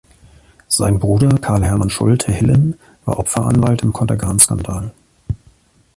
Sein Bruder Karl-Hermann Schulte-Hillen war Opfer-Anwalt im Contergan-Skandal.